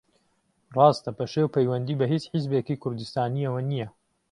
ڕاستە پەشێو پەیوەندی بە ھیچ حیزبێکی کوردستانییەوە نییە